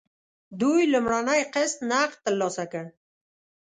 دوی لومړنی قسط نغد ترلاسه کړ.